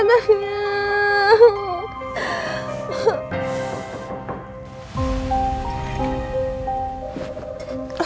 aduh sakit banget badannya